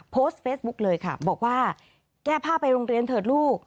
โพสต์เฟซบุ๊คเลยค่ะบอกว่าแก้ผ้าไปโรงเรียนเถอะลูก